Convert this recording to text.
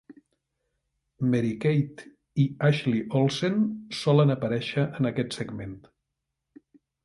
Mary-Kate i Ashley Olsen solen aparèixer en aquest segment.